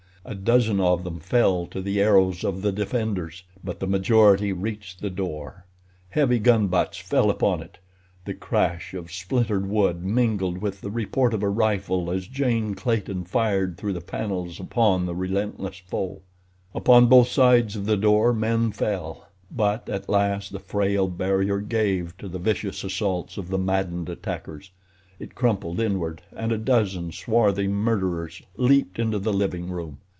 A dozen of them fell to the arrows of the defenders; but the majority reached the door. Heavy gun butts fell upon it. The crash of splintered wood mingled with the report of a rifle as Jane Clayton fired through the panels upon the relentless foe. Upon both sides of the door men fell; but at last the frail barrier gave to the vicious assaults of the maddened attackers; it crumpled inward and a dozen swarthy murderers leaped into the living room.